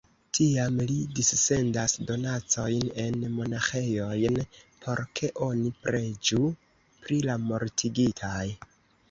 Tiam li dissendas donacojn en monaĥejojn, por ke oni preĝu pri la mortigitaj.